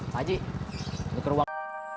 paji ke ruang